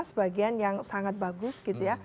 sebagian yang sangat bagus gitu ya